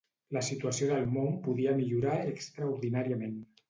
La situació del món podia millorar extraordinàriament